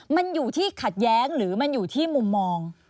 มันอยู่ที่ขัดแย้งหรือมันอยู่ที่มุมมอง